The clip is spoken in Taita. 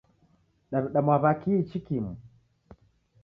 Daw'ida mwaw'a kihi ichi kimu?